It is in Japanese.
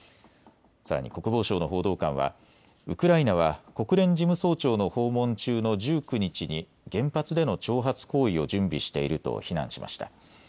さらに国防省の報道官はウクライナは国連事務総長の訪問中の１９日に原発での挑発行為を準備していると非難しました。